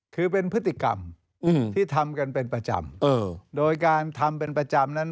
คือเป็นพฤติกรรมที่ทำกันเป็นประจำโดยการทำเป็นประจำนั้น